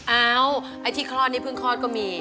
ไอ้ที่คลอดนี่เพิ่งคลอดก็มี